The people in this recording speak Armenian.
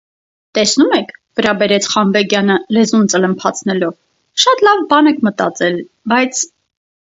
- Տեսնո՞ւմ եք,- վրա բերեց Խանբեգյանը լեզուն ծլմփացնելով,- շատ լավ բան եք մտածել, բայց…